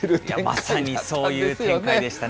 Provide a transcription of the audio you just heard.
まさにそういう展開でしたよね。